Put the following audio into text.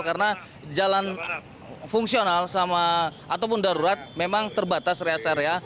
karena jalan fungsional sama ataupun darurat memang terbatas res area